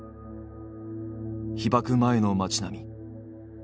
被爆前の街並み。